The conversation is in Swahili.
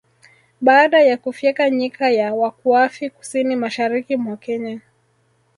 Baada ya kufyeka Nyika ya Wakuafi kusini mashariki mwa Kenya